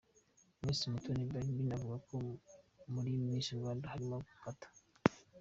Miss Mutoni Balbine avuga ko muri Miss Rwanda harimo Kata.